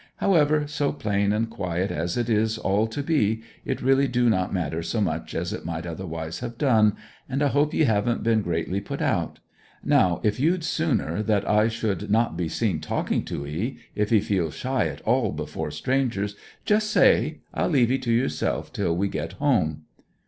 However, so plain and quiet as it is all to be, it really do not matter so much as it might otherwise have done, and I hope ye haven't been greatly put out. Now, if you'd sooner that I should not be seen talking to 'ee if 'ee feel shy at all before strangers just say. I'll leave 'ee to yourself till we get home.'